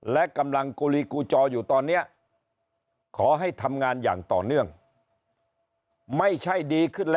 และกำลังกุลีกูจออยู่ตอนนี้ขอให้ทำงานอย่างต่อเนื่องไม่ใช่ดีขึ้นแล้ว